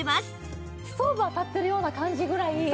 ストーブ当たってるような感じぐらい